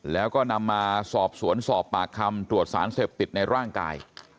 แล้วก็นำมาสอบสวนสอบปากคำตรวจสารเสพติดในร่างกาย